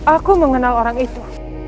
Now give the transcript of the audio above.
aku mengenal orang itu